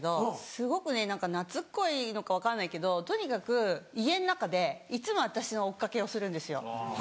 すごくね懐っこいのか分からないけどとにかく家の中でいつも私の追っ掛けをするんですよ。